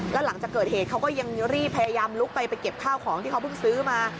แล้วหลังจากเกิดเหตุเขาก็ยังรีบพยายามลุกไปไปเก็บข้าวของที่เขาเพิ่งซื้อมา